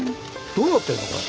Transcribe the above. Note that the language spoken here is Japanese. どうなってんのこれ。